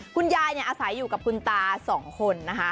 คุณยายอาศัยอยู่กับคุณตา๒คนนะคะ